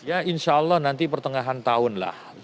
ya insya allah nanti pertengahan tahun lah